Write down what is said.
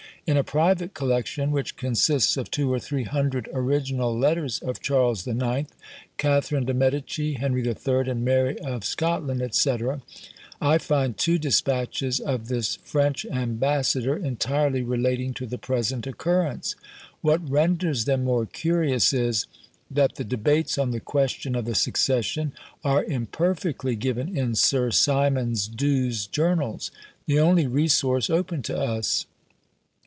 In a private collection, which consists of two or three hundred original letters of Charles IX., Catherine de Medicis, Henry III., and Mary of Scotland, &c., I find two despatches of this French ambassador, entirely relating to the present occurrence. What renders them more curious is, that the debates on the question of the succession are imperfectly given in Sir Symonds D'Ewes's journals; the only resource open to us.